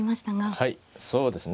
はいそうですね。